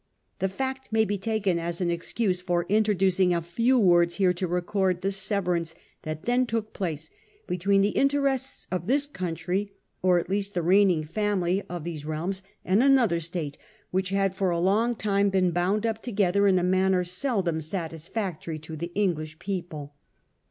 The fact may be taken as an excuse for introducing a few words here to record the sever ance that then took place between the interests of this country, or at least the reigning family of these 16 A HISTORY OF OUR OWN TIMES. cn. i. realms, and another State, which had for a long time been bound up together in a manner seldom satisfac tory to the English people.